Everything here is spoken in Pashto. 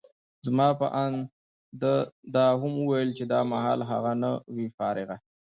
زما په اند، ده دا هم وویل چي دا مهال هغه، نه وي فارغه.